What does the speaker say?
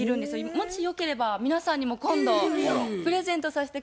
もしよければ皆さんにも今度プレゼントさせて下さい。